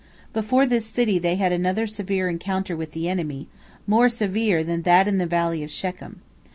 Before this city they had another severe encounter with the enemy, more severe than that in the Valley of Shechem.